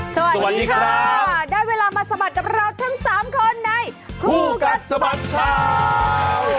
สวัสดีค่ะได้เวลามาสะบัดกับเราทั้ง๓คนในคู่กัดสะบัดข่าว